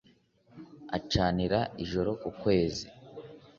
acanira ijoro nk’ukwezi